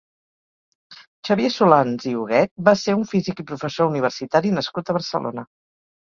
Xavier Solans i Huguet va ser un físic i professor universitari nascut a Barcelona.